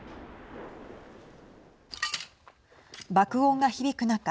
爆音が響く中